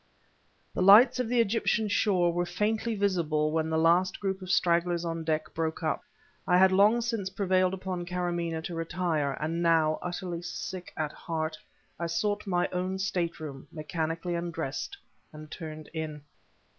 The lights on the Egyptian shore were faintly visible when the last group of stragglers on deck broke up. I had long since prevailed upon Karamaneh to retire, and now, utterly sick at heart, I sought my own stateroom, mechanically undressed, and turned in.